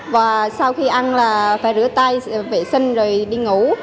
và sau khi ăn là phải rửa tay vệ sinh rồi đi ngủ